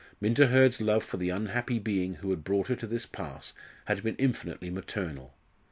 Minta Hurd's love for the unhappy being who had brought her to this pass had been infinitely maternal.